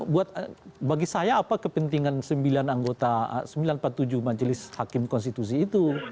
bagi saya apa kepentingan sembilan anggota sembilan patujuh majelis hakim konstitusi itu